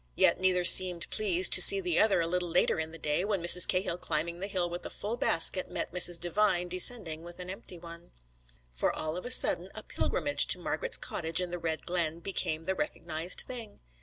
Yet neither seemed pleased to see the other a little later in the day, when Mrs. Cahill climbing the hill with a full basket met Mrs. Devine descending with an empty one. For all of a sudden a pilgrimage to Margret's cottage in the Red Glen became the recognised thing.